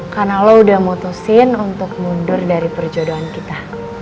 karena lo udah mutusin untuk mundur dari perjodohan kita